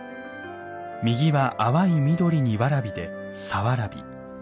右は淡い緑にわらびで「早わらび」。